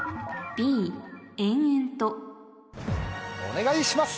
お願いします！